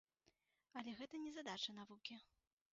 Але гэта не задача навукі.